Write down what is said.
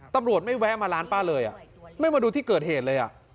ตำรวจไม่แวะมาร้านป้าเลยไม่มาดูที่เกิดเหตุเลย